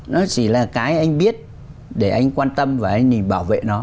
nó chỉ là cái anh biết để anh quan tâm và anh bảo vệ nó